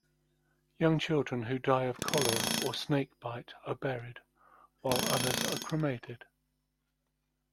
Young children who die of cholera or snakebite are buried while others are cremated.